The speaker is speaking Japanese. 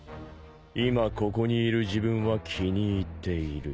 今ここにいる自分は気に入っている。